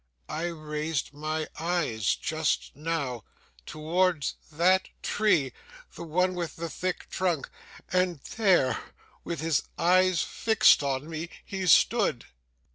'I raised my eyes, just now, towards that tree that one with the thick trunk and there, with his eyes fixed on me, he stood!